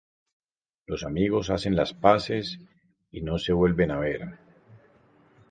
Los amigos hacen las paces y no se vuelven a ver.